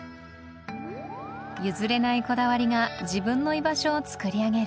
譲れないこだわりが自分の居場所をつくり上げる